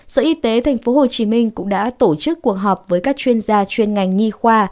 sở y tế tp hcm cũng đã tổ chức cuộc họp với các chuyên gia chuyên ngành nhi khoa